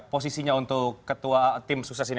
posisinya untuk ketua tim sukses ini